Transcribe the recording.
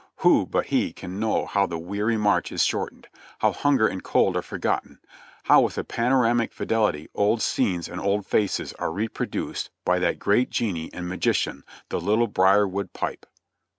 Who but he can know how the weary march is shortened ; how hunger and cold are forgotten ; how with a panoramic fidelity old scenes and old faces are reproduced by that great genie and magician, the little briar wood pipe